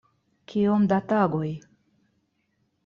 Kiom da tagoj?